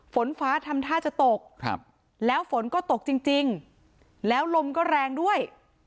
ฝนฟ้าทำท่าจะตกแล้วฝนก็ตกจริงแล้วลมก็แรงด้วย